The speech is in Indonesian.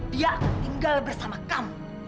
dia akan tinggal bersama kamu